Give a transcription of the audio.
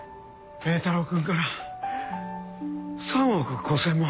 榮太郎君から３億５０００万。